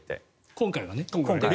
今回はね。